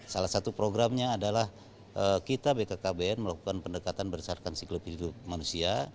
salah satu programnya adalah kita bkkbn melakukan pendekatan berdasarkan siklus hidup manusia